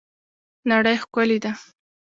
نړۍ ښکلې ده